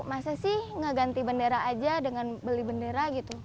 masa sih ngeganti bendera aja dengan beli bendera gitu